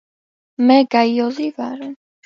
მე გაიოზი ვარ!